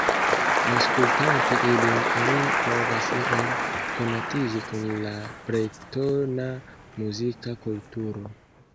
Aŭskultante ilin oni povas iom konatiĝi kun la bretona muzika kulturo.